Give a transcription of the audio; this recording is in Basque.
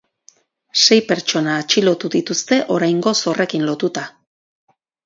Sei pertsona atxilotu dituzte oraingoz horrekin lotuta.